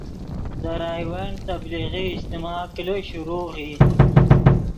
دے راؤنڈ تبلیغی اجتماع کلو شروغ ای